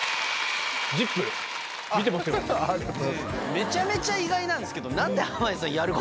めちゃめちゃ意外なんですけど。